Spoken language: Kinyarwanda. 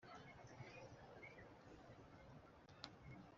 inkuba irukubita urushyi